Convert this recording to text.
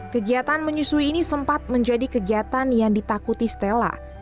kegiatan menyusui ini sempat menjadi kegiatan yang ditakuti stella